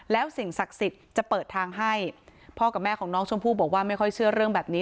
แล้วสิ่งศักดิ์สิทธิ์จะเปิดทางให้พ่อกับแม่ของน้องชมพู่บอกว่าไม่ค่อยเชื่อเรื่องแบบนี้